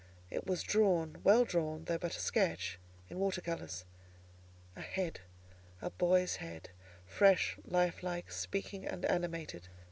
It was drawn—well drawn, though but a sketch—in water colours; a head, a boy's head, fresh, life like, speaking, and animated.